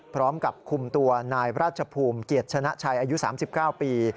พร้อมกับคุมตัวนายราชภูมิเกียรติชนะชัยอายุ๓๙ปี